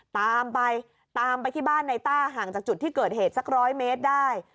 ตามไปตามไปที่บ้านในต้าห่างจากจุดที่เกิดเหตุสักร้อยเมตรได้